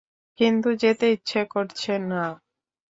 কিন্তু যেতে ইচ্ছে করছে না।